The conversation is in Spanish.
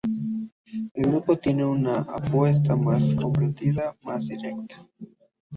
El grupo tiene una apuesta más comprometida, más directa.